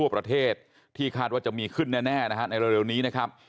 ประเทศที่คาดว่าจะมีขึ้นแน่นะฮะในเร็วนี้นะครับ